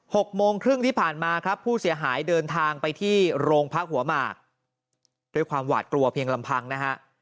หกโมงครึ่งที่ผ่านมาครับผู้เสียหายเดินทางไปที่โรงพักหัวหมากด้วยความหวาดกลัวเพียงลำพังนะฮะ